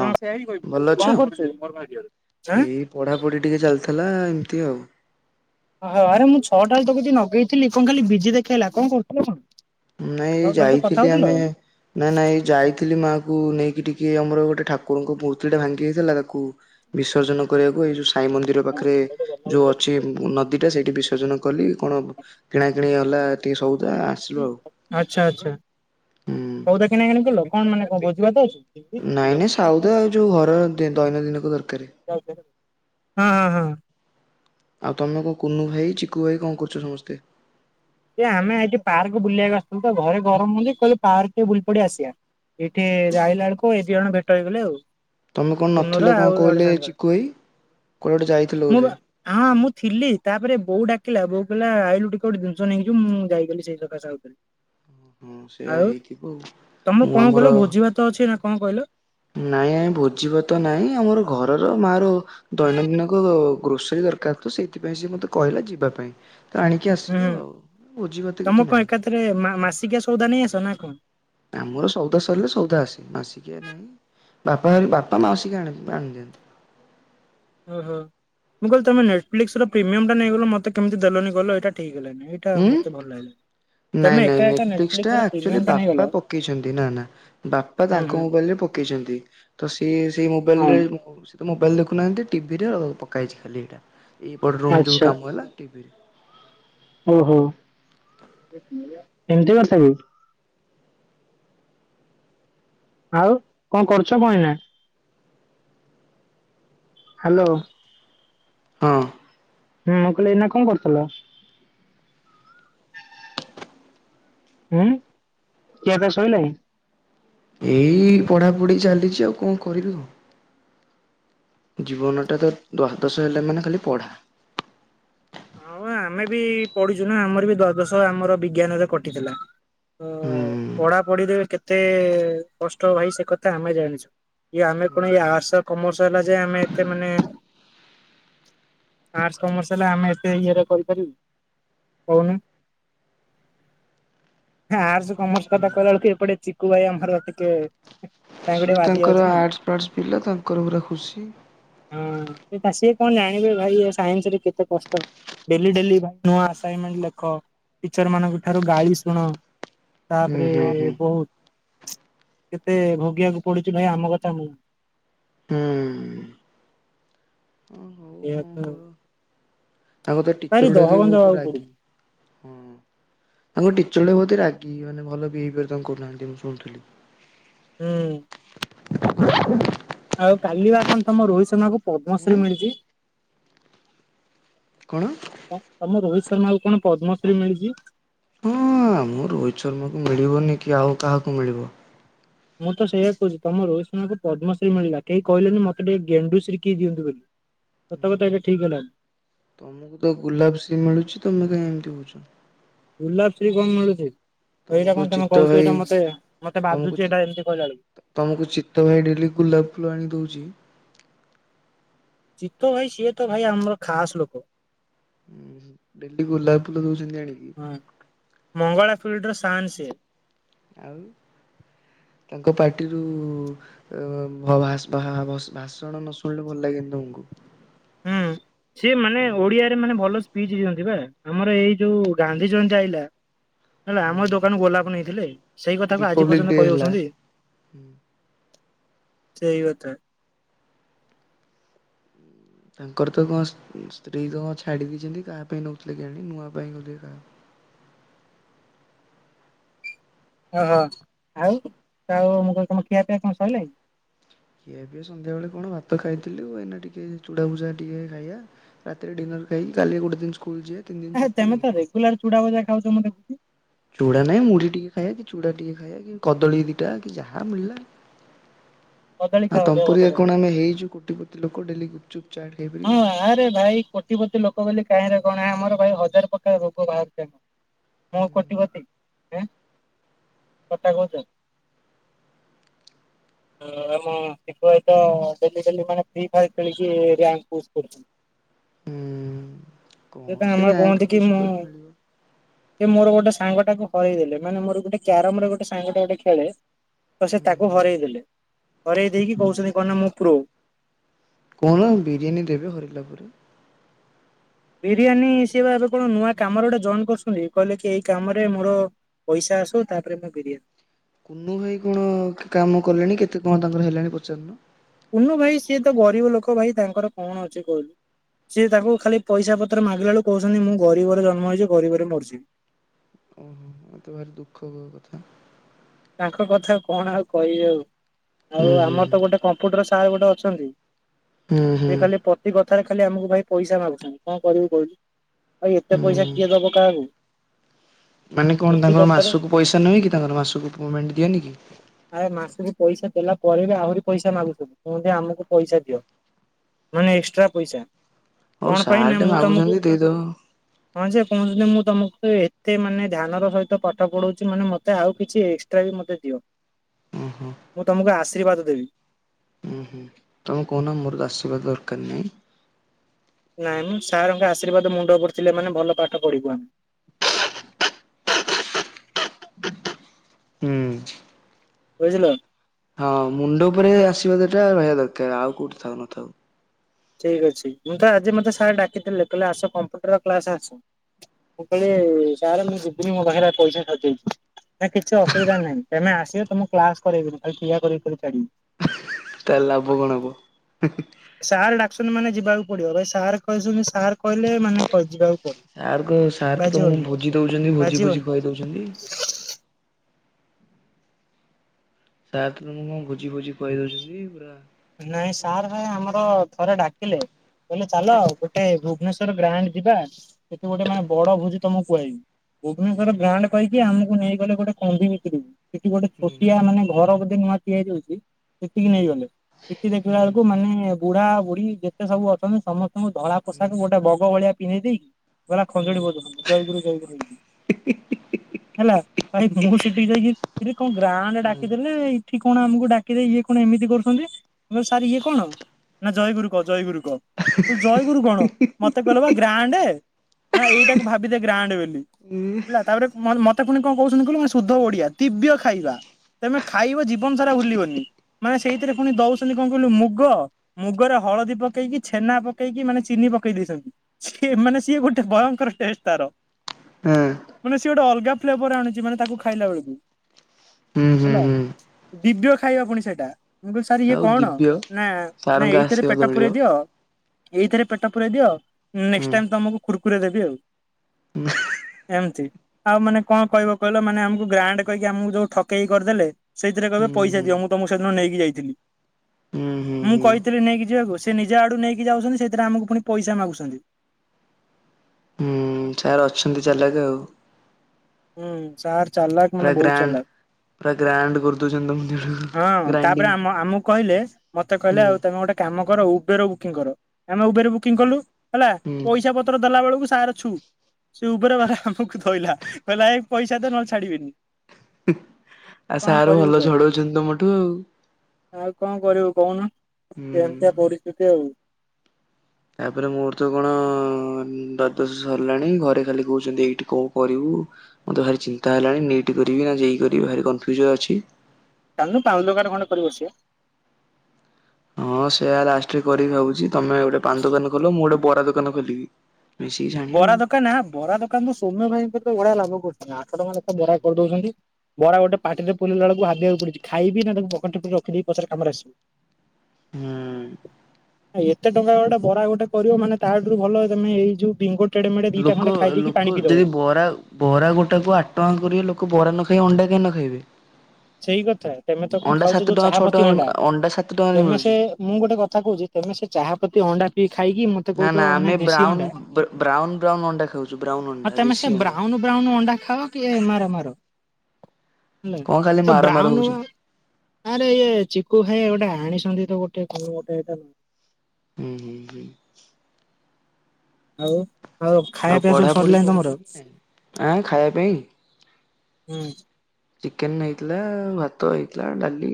ହଁ ସେଇଆ ହିଁ କହିବୁ, ଭଲ ତୁ କଣ କରୁଛୁ? ଆଁ, ପଢ଼ାପଢ଼ି ଟିକେ ଚାଲିଥିଲା ଏମିତି ଆଉ। ହଁ ଆରେ ମୁଁ ଛଅଟା ବେଳେ ତ କତିକି ନଗେଇଥିଲି, କଣ ଖାଲି ବିଜି ଦେଖେଇଲା, କଣ କରଥୁଲ କଣ? ନାଇଁ ଏଇ କଣ କହିଲୁ ତ କଥା ଯାଇଥିଲି ହଉଥିଲ? ଆମେ ନାଇଁ ନାଇଁ ଯାଇଥିଲି ମା କୁ ନେଇକି ଟିକେ ଆମର ଗୋଟେ ଠାକୁରଙ୍କ ମୂର୍ତ୍ତି ଟା ଭାଙ୍ଗି ଯାଇଥିଲା ତାକୁ ବିସର୍ଜନ କରିବାକୁ ଏଇ ଯୋଉ ସାଇ ମନ୍ଦିର ଯୋଉ ପାଖରେ ଯୋଉ ଅଛି ନଦୀ ଟା ସେଇଠି ବିସର୍ଜନ କଲି, କଣ କିଣାକିଣି ହେଲା ଟିକେ ସଉଦା ଆସିଲୁ ଆଉ। ଆଚ୍ଛା, ଆଚ୍ଛା ହୁଁ ସଉଦା କିଣ ଆଣି ଦେଲ କଣ ମାନେ କଣ ଭୋଜିଭାତ ଅଛି? ନାଇଁ, ନାଇଁ ସାଉଦ ଆଉ ଯୋଉ ଘର ଦି-ଦୈନନ୍ଦିନକୁ ଦରକାରେ। ହଁ, ହଁ। ଆଉ ତୋମେ କୁଅ କୁନୁ ଭାଇ ଚିକୁୁ ଭାଇ କଣ କରୁଛ ସମସ୍ତେ? ଏ ଆମେ ଏଠି ପାର୍କ ବୁଲିବାକୁ ଆସିଥିଲୁ ତ ଘରେ ଗରମ ହଉଛି, କହିଲେ ପାର୍କ ଟେ ବୁଲ ପଡି ଆସିବା। ଏଇଠି ଆଇଲା ବେଳକୁ ଏ ଦି ଜଣ ଭେଟ ହେଇଗଲେ ଆଉ। ତୋମେ କଣ କୁନୁର ନଥିଲ କଣ ଆଉ ଗୋଟେ କହିଲେ ସାଙ୍ଗର। ଚିକୁ ଭାଇ, କୁଆଡେ ଗୋଟେ ଯାଇଥିଲ ମୁଁ ବା ବୋଧେ? ହଁ ମୁଁ ଥିଲି ତାପରେ ବୋଉ ଡାକିଲା, ବୋଉ କହିଲା ଆଇଲୁ ଟି କୋଉ ଦିନ ଷ ନେଇକିଯିବୁ ମୁଁ ଯାଇଥିଲି ସେଇ ସକାସେ ଆଉଥିଲି। ହଁ ସେଇୟା ଆଉ ହେଇଥିବ ଆଉ, ତୋମେ ମୁଁ କଣ ଆମର କହିଲ ଭୋଜି ଭାତ ଅଛି ନା କଣ କହିଲ? ନାଇଁ ଆଁ ଭୋଜିିଭାତ ନାଇଁ ଆମର ଘରର ମା ର ଦୈନନ୍ଦିନକ ଗ୍ରୋସରୀ ଦରକାର ତ ସେଇଥିପାଇଁ ସିଏ ମୋତେ କହିଲା ଯିବା ପାଇଁ ତ ଆଣି କି ଆସିଲୁ ଆଉ ଭୋଜିଭାତ କିଛି ନାହିଁ। ରେ ମା-ମାସିକିଆ ସଉଦା ନେଇ ଆସ ନା କଣ? ଆମର ସଉଦା ସରିଲେ ସଉଦା ଆସେ, ମାସିକିଆ ନାହିଁ, ବାପା ବାପା ମାସିକି ଆଣ ଆଣିଦିଅନ୍ତି। ଓହୋ, ମୁଁ କହିଲି ତୋମେ ନେଟପ୍ଲିକସ୍ ର ପ୍ରିମିୟମ୍ ଟା ନେଇ ଗଲ, ମୋତେ କେମିତି ଦେଲନି କହିଲ, ଏଇଟା ଠିକ ହେଲାନି। ଏ ଟା ଉଁ ମୋତେ ଭଲ ଲାଗିଲା। ନାଇଁ ନାଇଁ ନେଟଫ୍ଲିକ୍ସ ଟା ଏକ୍ଟୁଲି ଟା ନେଇଗଲ ବାପା ପକେଇଛନ୍ତି, ନା ନା ବା ପା ହୁଁ ହୁଁ। ତାଙ୍କ ମୋବାଇଲ୍ ରେ ପକେଇଛନ୍ତି, ତ ସିଏ ସେଇ ମୋବାଇଲ୍ ହଁ ରେ [inaudible] ତ ମୋବାଇଲ୍ ଦେଖୁନାହାନ୍ତି, ଟିଭିରେ ଆଉ ପକା ହେଇଛି ଖାଲି ଏଇଟା, ଏଇ ପଟ ରୁମ୍ ଯୋଉ ଆଚ୍ଛା କାମ ହେଲା ଟିଭିରେ ଓହୋ! ଏମିତି କଥା କି? ଆଉ କଣ କରୁଛ କଣ ଏଇନା? ହ୍ୟାଲୋ। ହଁ ହୁଁ, ମୁଁ କହିଲି ଏଇନା କଣ କରୁଥିଲ? ଉଁ, ଖିଆପିଆ ଶୋଇଲାଣି? ଏଇ ପଢାପଢି ଚାଲିଛି ଆଉ କଣ କରିବି ହୋ। ଜୀବନଟା ତ ଦ୍ୱାଦଶ ହେଲା ମାନେ ଖାଲି ପଢ଼ା। ହଁ ଆମେ ବି ପଢୁଛି ନା ଆମର ବି ଦ୍ଵାଦଶ ଆମର ବିଜ୍ଞାନରେ କଟିଥିଲା। ତ ହୁଁ। ପଢାପଢିରେ କେତେ କଷ୍ଟ ଭାଇ ସେ କଥା ଆମେ ଜାଣିଛୁ। ଇଏ ଆମେ ଏ ଆର୍ଟ୍ସ କମର୍ସ ହେଲା ଯେ ଆମେ ଏତେ ମାନେ ଆର୍ଟସ କମର୍ସ ହେଲେ ଆମେ ସେ ଇଏରେ କରିପାରିବୁ କହୁନୁ? ହେ ଆରସ୍ କମର୍ସ କଥା ହୁଁ। କହିଲା ବେଳକୁ ଏପଟେ ଚିକୁୁ ଭାଇ ଆମର ଟିକେ ତାଙ୍କୁ ସିଏ ଟିକେ ବାଧି ଯାଉଛି ତାଙ୍କର ନା। ଆର୍ଟ୍ସ ପାର୍ଟ୍ସ ପିଲା ତାଙ୍କର ପୁରା ଖୁସି। ହଁ ଏ ତା ସିଏ କଣ ଜାଣିବେ ଭାଇ ସାଇନ୍ସ ରେ କେତେ କଷ୍ଟ। ଡେଲି ଡେଲି ନୂଆ ଆସାଇନମେଣ୍ଟ୍ ଲେଖ ଟିଚରମାନଙ୍କଠାରୁ ଗାଳି ଶୁଣ। ହୁଁ ହୁଁ ତାପରେ-ଏ-ଏ-ଏ ହୁଁ ବହୁତ୍, କେତେ ଭୋଗିବାକୁ ପଡୁଛି ଭାଇ ଆମ କଥା ମୁଁ। ହୁଁ। ସେଇଆ ତ ଓହୋଃ। ଆଉ ତୋ ଭାରି ଟିଚରଗୁଡାକ ବି ଦହଗଞ୍ଜ ବହୁତ୍ ହବାକୁ ରାଗି। ପଡୁଛି। ତାଙ୍କ ଟିଚରଗୁଡା ବହୁତ ରାଗି ମାନେ ଭଲ ବିହେଭିୟର ଜମା କରୁନାହାନ୍ତି ମୁଁ ଶୁଣୁଥୁଲି। ହୁଁ। ଆଉ କାଲି ବା କଣ ତମ ରୋହିତ ଶର୍ମାଙ୍କୁ ଉଁ ପଦ୍ମଶ୍ରୀ ମିଳିଛି? କଣ? ତମ ରୋହିତ ଶର୍ମାକୁ କଣ ପଦ୍ମଶ୍ରୀ ମିଳିଛି। ହଁ ଆମ ରୋହିତ ଶର୍ମାକୁ ମିଳିବନି କି ଆଉ କାହାକୁ ମିଳିବ? ମୁଁ ତ ସେଇଆ କହୁଛି ତମ ରୋହିତ ଶର୍ମାକୁ ପଦ୍ମଶ୍ରୀ ମିଳିଲା କେହି କହିଲେନି ମୋତେ ଟିକେ ଗେଣ୍ଡୁଶ୍ରୀ କିଏ ଦିଅନ୍ତୁ ବୋଲି। ସତ ନା କଥା ଏଇଟା ଠିକ ହେଲାନି। ତମକୁ ତ ଗୁଲାପଶ୍ରୀ ମିଳୁଛି ତମେ କାଇଁ ଏମିତି ହଉଛ? ଗୁଲାପଶ୍ରୀ କଣ ମିଳୁଛି, ଏଇଟା ତମକୁ କଣ ତମେ ଚିତ୍ତ କହୁଛ ଭାଇ ଏଇଟା ମତେ, ମତେ ବାଧୁଛି ଏଇଟା ଏମତି କହିଲାଳକୁ। ତୁମକୁ ଚିତ୍ତ ଭାଇ ଡେଲି ଗୁଲାପ ଫୁଲ ଆଣି ଦେଉଛି। ଚିତ୍ତ ଭାଇ ସିଏ ତ ଭାଇ ଆମର ଖାସ୍ ଲୋକ। ହୁଁ ହୁଁ, ଡେଲି ଗୋଲାପ ଫୁଲ ଦଉଛନ୍ତି ଆଣିକି। ହଁ, ମଙ୍ଗଳା ଫିଲ୍ଡର ସାନ୍ ସେ। ଆଉ ତାଙ୍କ ପାଟିରୁ ଉ-ଉ-ଉ ଭ ଭାଷ୍ ଭା ଭଷ୍ ଭାଷଣ ନ ଶୁଣିଲେ ଭଲ ଲାଗେନି ତମକୁ? ହୁଁ। ସିଏ ମାନେ ଆଉ ଓଡିଆରେ ମାନେ ଭଲ ସ୍ପିଚ ଦିଅନ୍ତି ପା ଆମର ଏଇ ଯୋଉ ଗାନ୍ଧୀ ଜୟନ୍ତୀ ଆଇଲା। ହେଲା ହୁଁ ଆମ ଦୋକାନୁ ଗୋଲାପ ନେଇଥିଲେ ସେଇ କଥାକୁ ଆଜି ରିପବ୍ଲିକ ପର୍ଯ୍ୟନ୍ତ ଡେ କହି ହେଲା। ହଉଛନ୍ତି। ସେଇ କଥା। ତାଙ୍କର ତ କଣ ସ୍ତ୍ରୀ ତ କଣ ଛାଡି ଦେଇଛନ୍ତି, କାହା ପାଇଁ ନଉଥିଲେ କେଜାଣି ନୂଆ ପାଇଁ ବୋଧେ କାହା। ଓହୋଃ, ଆଉ ଆଉ ମୁଁ କହିଲି ତମ ଖିଆପିଆ କଣ ସଇଲାଣି? କେବେ ସନ୍ଧ୍ୟାବେଳେ କଣ ଭାତ ଖାଇଥିଲୁ ଏଇନା ଟିକେ ଚୁଡ଼ା ଭୁଜା ଟିକେ ଖାଇବା। ରାତିରେ ଡିନର୍ ଖାଇ କାଲି ଗୋଟେ ଦିନ ସ୍କୁଲ ଯିଏ। ଆଉ ତମେ କଣ ରେଗୁଲାର ଚୁଡାଭଜା ଖାଉଛ ମୁଁ ଦେଖୁଛି। ଚୁଡ଼ା ନାଇଁ ମୁଢି ଟିକେ ଖାଇବା କି ଚୁଡ଼ା ଟିକେ ଖାଇବା କି କଦଳୀ ଦିଟା କି ଯାହା ମିଳିଲା। କଦଳୀ ଆ ଖାଅ ତମ ଦେହ ଭଲ ପରିଆ ରହିବ। କଣ ଆମେ ହେଇଛୁ କୋଟିପତି ଲୋକ ଡେଲି ଗୁପଚୁପ୍ ଚାଟ୍। ହଁ ଖାଇପାରିବୁ। ଆରେ ଭାଇ କୋଟିପତି ଲୋକ ବୋଲି କାହିଁରେ କଣ ଆମର ଭାଇ ହଜାର ପ୍ରକାର ରୋଗ ବାହାରୁଚି ଆଜ୍ଞା ମୁଁ ହୁଁ କଣ କୋଟିପତି ସତ କହୁଚ? ଆମ ଶିଖୁ ଭାଇ ତ ଡେଲି ଡେଲି ମାନେ ଫିଇ ପାଇବ୍ ଖେଳିକି ରୟାଙ୍କ ପୋଷ୍ଟ କରୁଚନ୍ତି। ହୁଁ। କଣ ସେ ତା ସେ ମାମାଙ୍କୁ ରାଙ୍କ କୁହନ୍ତି କି ପୁସ୍ ମୁଁ କରି ମିଳିବ। ସେ ମୋର ଗୋଟେ ସାଙ୍ଗଟାକୁ ହରେଇ ଦେଲେ ମାନେ ମୋର ଗୋଟେ କ୍ୟାରମର ଗୋଟେ ସାଙ୍ଗଟା ଗୋଟେ ଖେଳେ। ତ ସେ ହୁଁ ତାକୁ ହୁଁ ହରେଇ ଦେଲେ, ହରେଇ ଦେଇକି କହୁଛନ୍ତି କଣ ନା ମୁଁ ପ୍ରୋ। କହୁନ ବିରିୟାନୀ ଦେବେ ହରିଲା ପରେ। ବିରିୟାନୀ ସିଏ ଏବେ କଣ ନୂଆ କାମରେ ଗୋଟେ ଜଏନ୍ କରିଛନ୍ତି କହିଲେ କି ଏଇ କାମରେ ମୋର ପଇସା ଆସୁ ତାପରେ ମୁଁ ବିରିୟାନୀ। କୁନୁ ଭାଇ କଣ କାମ କଲେଣି କେତେ କଣ ତାଙ୍କର ହେଲାଣି ପଚାରୁନ। କୁନୁ ଭାଇ ସିଏ ତ ଗରିବ ଲୋକ ଭାଇ ତାଙ୍କର କଣ ଅଛି କୁହନି? ସିଏ ତାଙ୍କୁ ଖାଲି ପଇସା ପତ୍ର ମାଗିଲା ବେଳକୁ କହୁଛନ୍ତି ମୁଁ ଗରିବରେ ଜନ୍ମ ହେଇଛି ଗରିବରେ ମରିଯିବି। ହଁ ତ ଭାରି ଦୁଃଖ କଥା। ତାଙ୍କ କଥା କଣ ଆଉ କହିବି ଆଉ। ହୁଁ ଆଉ ହୁଁ ଆମର ତ ଗୋଟେ କ କମ୍ପ୍ୟୁଟର ସାର୍ ଗୋଟେ ଅଛନ୍ତି। ହୁଁ ହୁଁ ସେ [unintelligible] ପ୍ରତି କଥାରେ ଖାଲି ଆମକୁ ଭାଇ ପଇସା ମାଗୁଛନ୍ତି। କଣ କରିବୁ କହିଲୁ? ଭାଇ ଏତେ ପଇସା ହୁଁ। କିଏ ଦବ କାହାକୁ? ମାନେ କଣ ପ୍ରତି ତାଙ୍କର କଥାରେ ମାସକୁ ପଇସା ନୁହେଁ କି? ତାଙ୍କର ମାସକୁ ପେମେଣ୍ଟ ଦିଅନି କି? ଆରେ ମାସକୁ ପଇସା ଦେଲା ପରେ ବି ଆହୁରି ପଇସା ମାଗୁଛନ୍ତି। କହୁଛନ୍ତି ଆମକୁ ପଇସା ଦିଅ। ମାନେ ଏକ୍ସଟ୍ରା ପଇସା। ହଉ କଣ ପାଇଁ ସାର୍ ନା ଟେ ମୁଁ ତମକୁ ମାଗୁଛନ୍ତି ଦେଇଦବ ହଁ ଯେ କୁହୁଚନ୍ତି ମୁଁ ତମକୁ ଏତେ ମାନେ ଧ୍ୟାନର ସହିତ ପାଠ ପଢଉଛି ମାନେ ମତେ ଆଉ କିଛି ଏକ୍ସଟ୍ରା ବି ମେତେ ଦିଅ ଓହୋ ମୁଁ ତମକୁ ଆଶୀର୍ବାଦ ଦେବି। ଉଁ-ହୁଁ, ତୁମେ କହୁନ ମୋର ଆଶୀର୍ବାଦ ଦରକାର ନାହିଁ। ନାଇଁ ମ ସାରଙ୍କ ଆଶୀର୍ବାଦ ମୁଣ୍ଡ ଉପରେ ଥିଲେ ମାନେ ଭଲ ପାଠ ପଢିବୁ ଆମେ। ହୁଁ। ବୁଝିଲ। ହଁ ମୁଣ୍ଡ ଉପରେ ଆଶୀର୍ବାଦ ଟା ରହିବା ଦରକାର ଆଉ କୋଉଠି ଥାଉ ନଥାଉ। ଠିକ୍ ଅଛି। ମୁଁ ତ ଆଜି ମତେ ସାର୍ ଡାକି କହିଲେ ଆସ କମ୍ପ୍ୟୁଟର କ୍ଲାସ୍ ଆସ। ମୁଁ କହିଲି ସାରେ ମୁଁ ଯିବିନି ମୋ ପାଖରେ ପଇସା ସରି ଯାଇଚି। ନାଇଁ କିଛି ଅସୁବିଧା ନାହିଁ। ତମେ ଆସିଲେ ତମକୁ କ୍ଲାସ କରେଇବିନି, ଖାଲି ଠିଆ କରେଇ କି ଛାଡିବି। ତାହେଲେ ଲାଭ କଣ ହବ? ସାର୍ ଡାକିଚନ୍ତି ମାନେ ଯିବାକୁ ପଡିବ। ଭାଇ ସାର୍ କହିଚନ୍ତି ସାର୍ କହିଲେ ମାନେ ଯିବାକୁ ପଡିବ। ସାର୍ କ ସାର୍ ତ ତୁମକୁ ବାଜିବନି ଭୋଜି ଦେଉଚନ୍ତି, ଭୋଜି ଭୋଜି ବାଜିବନି। ଖୁଆଇ ଦଉଚନ୍ତି। ସାର୍ ତ ତମକୁ କଣ ଭୋଜି ଭୋଜି ଖୁଆଇ ଦେଉଚନ୍ତି ପୁରା ନାଇଁ ସାର୍ ଭାଇ ଆମର ଥରେ ଡାକିଲେ। କହିଲେ ଚାଲ ଗୋଟେ ଭୁବନେଶ୍ୱର ଗ୍ରାଣ୍ଡ ଯିବା। ସେଠୁ ଗୋଟେ ମାନେ ବଡ଼ ଭୋଜି ତମକୁ ଖୁଆଇବି। ହୁଁ। ଭୁବନେଶ୍ୱର ଗ୍ରାଣ୍ଡ କହିକି ଆମକୁ ନେଇଗଲେ ଗୋଟେ କନ୍ଧି ଭିତରକୁ। ସେଠି ଗୋଟେ ଛୋଟିଆ ମାନେ ଘର ବୋଧେ ନୂଆ ତିଆରି ହେଉଚି ସେଠିକି ନେଇଗଲେ। ସେଠି ଦେଖିଲା ବେଳକୁ ମାନେ ବୁଢା, ବୁଢ଼ୀ ଯେତେ ସବୁ ଅଛନ୍ତି ସମସ୍ତଙ୍କୁ ଧଳା ପୋଷାକ ଗୋଟେ ବଗ ଭଳିଆ ପିନ୍ଧେଇ ଦେଇକି ଗଲା ଖଞ୍ଜଣି ବଜଉଛନ୍ତି ଜୟଗୁରୁ-ଜୟଗୁରୁ ହେଇକି ହେଲା। ଭାଇ ମୁଁ ସେଠିକି ଯାଇକି କିରେ କଣ ଗ୍ରାଣ୍ଡ ଡାକିଥିଲେ, ଏଠି କଣ ଆମକୁ ଡାକି ଦେଇକି ଇଏ କଣ ଏମିତି କରୁଛନ୍ତି? ମୁଁ କହିଲି ସାର୍ ଇଏ କଣ? ନା ଜୟ ଗୁରୁ କହ ଜୟ ଗୁରୁ କହ। ଜୟ ଗୁରୁ କଣ ମତେ କହିଲେ ପା ଗ୍ରାଣ୍ଡ। ନା ଏଇଟାକୁ ଭାବି ଦେ ଗ୍ରାଣ୍ଡ ବୋଲି। ହେଲା ତାପରେ ମତେ ପୁଣି କଣ କହୁଛନ୍ତି କହିଲୁ? ଶୁଦ୍ଧ ଓଡ଼ିଆ ଦିବ୍ୟ ଖାଇବା। ତମେ ଖାଇବ ଜୀବନ ସାରା ଭୁଲିବନି। ମାନେ ସେଇଥିରେ ପୁଣି ଦଉ ଖାଲି କଣ କହିଲୁ ମୁଗ, ମୁଗ ରେ ହଳଦୀ ପକେଇକି ଛେନା ପକେଇକି ମାନେ ଚିନି ପକେଇ ଦେଇଛନ୍ତି। ସିଏ ମାନେ ସିଏ ଗୋଟେ ଭୟଙ୍କର ଟେଷ୍ଟ ତାର। ହଁ। ମାନେ ସିଏ ଗୋଟେ ଅଲଗା ଫ୍ଲେଭର ଆଣୁଛି ମାନେ ତାକୁ ଖାଇଲା ବେଳକୁ। ହେଲା ହୁଁ-ହୁଁ-ହୁଁ। ଦିବ୍ୟ ଖାଇବା ପୁଣି ସେଇଟା। ମୁଁ କହିଲି ସାର୍ ଇଏ ଆଉ କଣ? ଦିବ୍ୟ ନା ନା ସାରଙ୍କ ଏଇଥିରେ ଆଶୀର୍ବାଦ ପେଟ ପୂରଇ ମିଳିବ। ଦିଅ। ଏଇଥିରେ ପେଟ ପୂରାଇ ଦିଅ। ହୁଁ ନେକ୍ସଟ ଟାଇମ ତମକୁ କୁର୍ କୁରେ ଦେବି ଆଉ। ଏମତି। ଆଉ ମାନେ କଣ କହିବ କହିଲ ମାନେ ଆମକୁ ଗ୍ରାଣ୍ଡ କହିକି ଆମକୁ ଯୋଉ ଠକେଇ କରିଦେଲେ ସେଇଥିରେ କହିବେ ହୁଁ ପଇସା ହୁଁ ଦିଅ, ମୁଁ ତମକୁ ସେଦିନ ନେଇକି ଯାଇଥିଲି। ହୁଁ ହୁଁ ମୁଁ ହୁଁ କହିଥିଲି ନେଇକି ଯିବାକୁ, ସେ ନିଜେ ଆଡୁ ନେଇକି ଯାଉଛନ୍ତି ସେଥିରେ ଆମକୁ ପୁଣି ପଇସା ମାଗୁସନ୍ତି। ହୁଁ ସାର୍ ଅଛନ୍ତି ଚାଲକ୍ ଆଉ। ହୁଁ ସାର୍ ଚାଲାକ୍ ମାନେ ପୁରା ବହୁତ ଗ୍ରାଣ୍ଡ ଚାଲାକ୍। ପୁରା ଗ୍ରାଣ୍ଡ କରୁଦଉଛନ୍ତି ତମ ଦୁଇ ଜଣ କୁ। ହଁ। ତାପରେ ଆମ ଆମକୁ କହିଲେ ମତେ କହିଲେ ହୁଁ ଆଉ ତମେ ଗୋଟେ କାମ କର ଉବେର ବୁକିଂ କର। ଆମେ ଉବେର ବୁକିଂ କଲୁ ହେଲା ହୁଁ ପଇସା ପ ପତ୍ର ଦେଲା ବେଳକୁ ସାର୍ ଛୁ ସେ ଉପରେ ବାଲା ଆମକୁ ଧଇଲା କହିଲା ଏଇ ପଇସା ଦେ ନହେଲେ ଛାଡିବିନି। ଆଉ କଣ ସାର୍ କରିବୁ ଭଲ କହ ଝଡଉଛନ୍ତି ତମଠୁ ଆଉ। ଆଉ କଣ କରିବୁ କହୁନ ହୁଁ। ଏମିତିଆ ପରିସ୍ଥିତି ଆଉ। ତାପରେ ମୋର ତ କଣ ଦ୍ୱାଦଶ ସରିଲାଣି ଘରେ ଖାଲି କହୁଚନ୍ତି ଏଇଠି ଙ୍କ କରିବୁ। ମୋତେ ଭାରି ଚିନ୍ତା ହେଲାଣି ନିଇଟ୍ କରିବି ନା ଯେଇ କରିବି ଭାରି କନଫ୍ୟୁଜ୍ ରେ ଅଛି। ଚାଲୁନୁ ପାନ ଦୋକାନ ଖଣ୍ଡେ କରିିକି ବସିବା। ହଁ ସେୟା ଲାଷ୍ଟରେ କରିବି ଭାବୁଛି ତମେ ଗୋଟେ ପାନ ଦୋକାନ ଖୋଲ ମୁଁ ଗୋଟେ ବରା ଦୋକାନ ଖୋଲିବି। ମିଶିକି ଛାଣିବା ଆଉ। ବରା ଦୋକାନ ହେ ବରା ଦୋକାନ ତ ସୌମ୍ୟ ଭାଇଙ୍କ ତ ବଢଆ ଲାଭ କରୁଛନ୍ତି ଆଠ ଟଙ୍କା ଲେଖା ଏ ବରା କରିଦଉଚନ୍ତି। ବରା, ଗୋଟେ ପାଟିଟେ ପୁରିଇଲା ବେଳକୁ ଭାବିବାକୁ ପଡୁଚି ଖାଇବି ନା ତାକୁ ପକେଟେ ରେ ରଖଦେଇ ପଛରେ କାମରେ ଆସିବ। ହୁଁ ଏତେ ଟଙ୍କା ଗୋଟେ ବରା ଗୋଟେ କରିବ ମାନେ ତାଠୁ ଭଲ ତମେ ଏଇ ଯୋଉ ବିଙ୍ଗ ଲୋକ ଲୋକ ଯଦି ବରା ବରା ଗୋଟାକୁ ଆଠ ଟଙ୍କା କରିବେ ଲୋକ ବରା ନ ଖାଇକି ଅଣ୍ଡା କାଇଁ ନ ଖାଇବେ। ସେଇ କଥା ତମେ ତ କଣ ଅଣ୍ଡା ସାତ ଖାଉଚ ଯୋଉ ଟଙ୍କା ଛଅ ଟଙ୍କା ଚାହାପତି ଅଣ୍ଡା ସାତ ଟଙ୍କାରେ ତମେ ସେ ମିଳୁଛି। ମୁଁ ଗୋଟେ କଥା କହୁଚି ତମେ ସେ ଚାହାପତି ଅଣ୍ଡା ପିଇ ଖାଇକି ନା କହୁଛ ନା ମାନେ ଆମେ ଦେଶୀ ବ୍ରାଉ ଅଣ୍ଡା। ବ୍ରାଉନ ବ୍ରାଉ ଅଣ୍ଡା ଖାଉଚୁ ବ୍ରାଉନ ଆଉ ଅଣ୍ଡା ତମେ ସେ ଦେଶୀ ଅଣ୍ଡା। ବ୍ରାଉନ ବ୍ରାଉନ ଅଣ୍ଡା ଖାଅ କିଏ ମାର ମାର ହେଲ। କଣ ଖାଲି ମାର ମାର ହୋଉଚୁ। ଆରେ ଇଏ ଚିକୁୁ ଭାଇ ଗୋଟେ ଆଣିଛନ୍ତି ତ ଗୋଟେ କଣ ଗୋଟେ ଏଇଟାଁ। ହୁଁ ହୁଁ ହୁଁ ଆଉ ଆଉ ଖାଇବା ପିଇବା ସବୁ ପଢାପଢି ସରିଲାଣି କରୁଛ ତମର? କି ନାଇଁ? ଆଁ ଖାଇବା ପାଇଁ ହୁଁ ଚିକେନ୍ ହେଇଥିଲା ଭାତ ହେଇଥିଲା ଡାଲି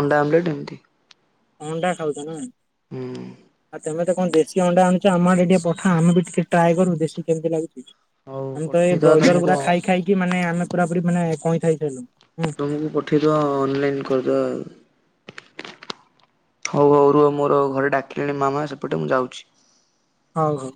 ଅଣ୍ଡା ଆମେଲେଟ୍ ଏମିତି। ଅଣ୍ଡା ଖାଉଚ ନା ହୁଁ ଆଉ ତମେ ତ କଣ ଦେସି କି ଅଣ୍ଡା ଆଣୁଚୁ ଆମ ଆଡେ ଟିକେ ପଠାଆ ଆମେ ବି ଟିକେ ଟ୍ରାଏ କରୁ ଦେଖି କେମିତି ଲାଗୁଚି। ହଉ ଆମେ ତ ଏଇ ପଠେଇଦବା ବ୍ରଏଲର ତମକୁ ଗୁଡା ଖାଇ ଖାଇକି ମାନେ ଆମେ ପୁରା ପୁରି ମାନେ କଇଥାଇ ହେଇସାଇଲୁୁଣୁ। ପଠେଇଦବା ଅନଲାଇନ୍ କରିଦବା ଆଉ। ହୋଉ ହୋଉ ରୁହ ମୋର ଘରେ ଡାକିଲେଣି ମାମା ସେପଟେ ମୁଁ ଯାଉଚି। ହଉ ହଉ।